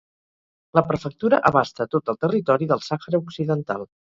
La prefectura abasta tot el territori del Sàhara Occidental.